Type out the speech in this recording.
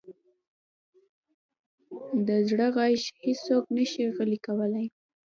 د زړه ږغ هیڅوک نه شي غلی کولی.